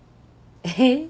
えっ。